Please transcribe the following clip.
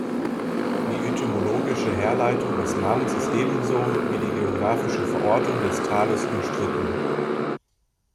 Die etymologische Herleitung des Namens ist ebenso wie die geographische Verortung des Tales umstritten.